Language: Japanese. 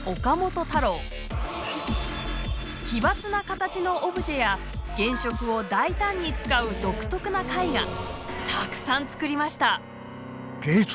奇抜な形のオブジェや原色を大胆に使う独特な絵画たくさんつくりました。